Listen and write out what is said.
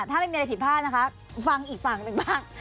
ถ้าไม่มีอะไรผิดพลาดนะคะฟังอีกฝั่งหนึ่งบ้าง